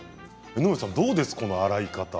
江上さんどうですか？